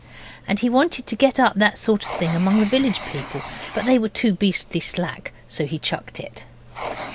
And he wanted to get up that sort of thing among the village people but they were too beastly slack, so he chucked it.